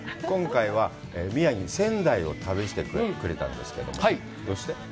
今回は、宮城・仙台を旅してくれたんですけど、どうして？